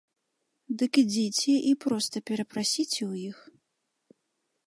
Дык ідзіце і проста перапрасіце ў іх.